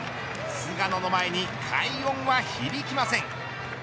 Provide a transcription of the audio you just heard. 菅野の前に快音は響きません。